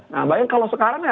nah bayang kalau sekarang ya